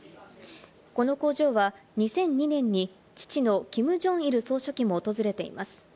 この工場は２００２年に父のキム・ジョンイル総書記も訪れています。